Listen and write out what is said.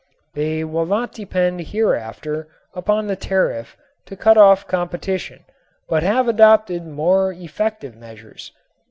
They will not depend hereafter upon the tariff to cut off competition but have adopted more effective measures.